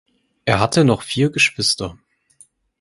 Er hatte noch vier Geschwister.